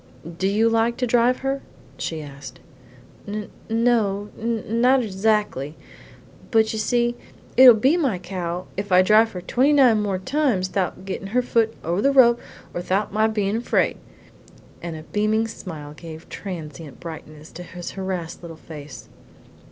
Do you like to drive her?" she asked. "N no, not erzackly; but you see, it'll be my cow if I drive her twenty nine more times thout her gettin' her foot over the rope and thout my bein' afraid," and a beaming smile gave a transient brightness to his harassed little face.